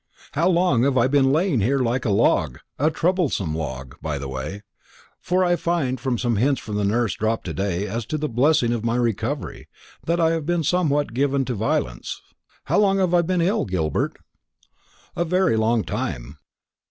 How long have I been lying here like a log a troublesome log, by the way; for I find from some hints the nurse dropped to day as to the blessing of my recovery, that I have been somewhat given to violence; how long have I been ill, Gilbert?" "A very long time."